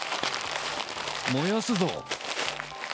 燃やすぞ。